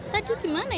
tadi gimana ya tank